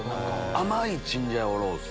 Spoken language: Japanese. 甘いチンジャオロース。